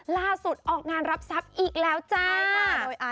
ออกงานรับทรัพย์อีกแล้วจ้า